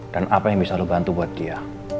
dan apa yang bisa lo bantu buat dia